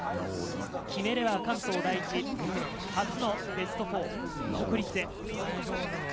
決めれば関東第一、初のベスト４、国立へ。